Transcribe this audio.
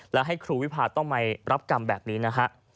และให้ครูวิพาต้องมารับกรรมแบบนี้นะฮะ